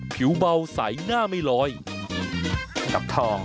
ไปค่ะ